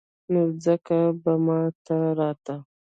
نو ځکه به ما ته راته.